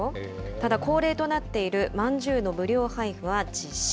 ただ恒例となっているまんじゅうの無料配布は実施。